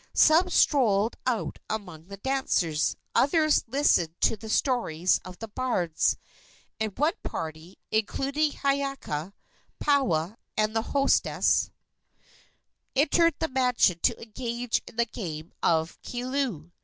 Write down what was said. Some strolled out among the dancers, others listened to the stories of the bards, and one party, including Hiiaka, Paoa and the hostess, entered the mansion to engage in the game of kilu.